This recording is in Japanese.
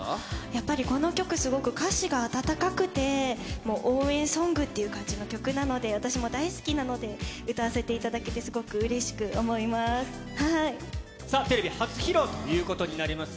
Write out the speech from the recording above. やっぱりこの曲、すごく歌詞が温かくて、応援ソングって感じの曲なので、私も大好きなので、歌わせていたテレビ初披露ということになります。